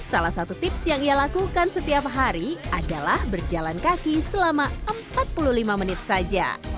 salah satu tips yang ia lakukan setiap hari adalah berjalan kaki selama empat puluh lima menit saja